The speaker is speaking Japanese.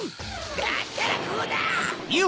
だったらこうだ！